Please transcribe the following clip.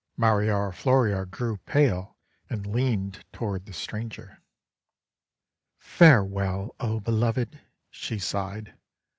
Mariora Floriora grew pale, and leaned toward the stranger. "Farewell! O Beloved!" she sighed.